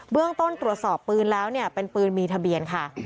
เรื่องต้นตรวจสอบปืนแล้วเนี่ยเป็นปืนมีทะเบียนค่ะ